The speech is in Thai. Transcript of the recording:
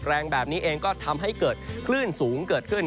แรงแบบนี้เองก็ทำให้เกิดคลื่นสูงเกิดขึ้น